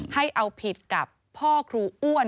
ให้เอาผิดกับพ่อครูอ้วน